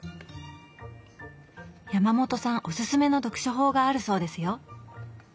山本さんおすすめの読書法があるそうですよ！